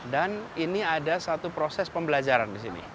dan ini ada satu proses pembelajaran disini